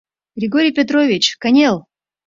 — Григорий Петрович, кынел.